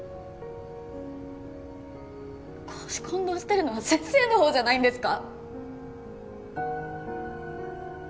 公私混同してるのは先生のほうじゃないんですか？